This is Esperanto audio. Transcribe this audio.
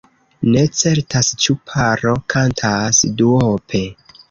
Ne certas ĉu paro kantas duope.